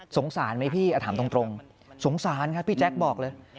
สารไหมพี่ถามตรงสงสารครับพี่แจ๊คบอกเลย